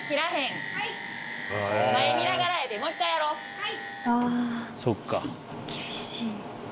はい。